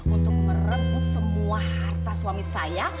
untuk merebut semua harta suami saya